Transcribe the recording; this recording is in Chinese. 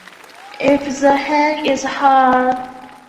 昔曾改名陈天崴。